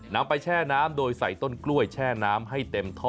นำไปแช่น้ำโดยใส่ต้นกล้วยแช่น้ำให้เต็มท่อ